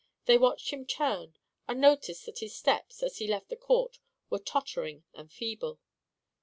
They watched him turn and noticed that his steps, as he left the court, were tottering and feeble.